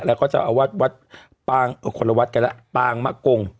แล้วก็เจ้าอาวัดดวัตรปางคนละวัดกันนะปางมะกง